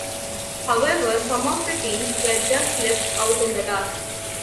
However, some of the teams were just left out in the dark.